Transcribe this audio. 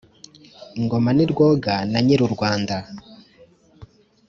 ingoma ni rwoga na nyir’u rwanda